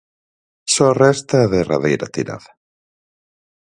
Só resta a derradeira tirada.